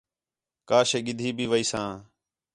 کا شے گِدھی بھی ویساں